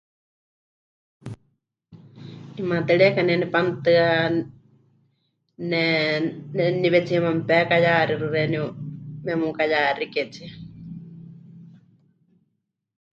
'Imaatɨrieka ne nepanutɨa, ne... neniwetsiíma mepekayaxixɨ xeeníu memukayaxiketsie.